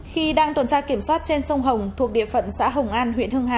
khi đang tuần tra kiểm soát trên sông hồng thuộc địa phận xã hồng an huyện hưng hà